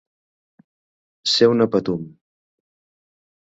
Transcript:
Ser una patum.